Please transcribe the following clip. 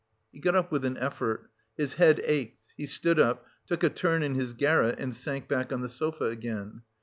He got up with an effort. His head ached, he stood up, took a turn in his garret and sank back on the sofa again.